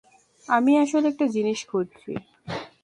আমি আসলে একটা জিনিস খুঁজছি।